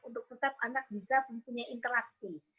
untuk tetap anak bisa mempunyai interaksi